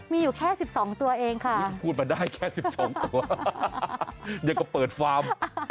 มีอยู่แค่๑๒ตัวเองค่ะยิ่งพูดมาได้แค่๑๒ตัวอย่างก็เปิดฟาร์ม